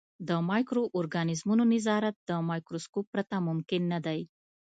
په مایکرو ارګانیزمونو نظارت له مایکروسکوپ پرته ممکن نه دی.